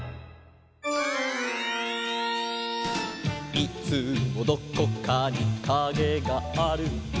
「いつもどこかにカゲがある」